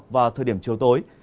và thời điểm chiều tối